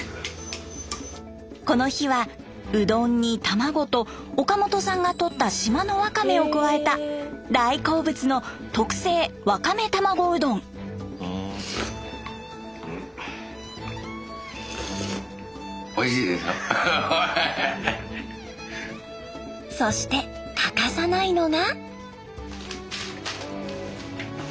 この日はうどんに卵と岡本さんがとった島のわかめを加えた大好物のそして欠かさないのが。